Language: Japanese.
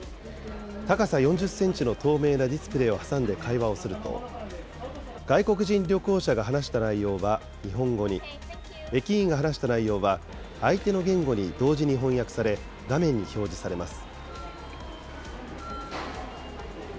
高さ４０センチの透明なディスプレーを挟んで会話をすると、外国人旅行者が話した内容は日本語に、駅員が話した内容は相手の言語に同時に翻訳され、画面に表示されます。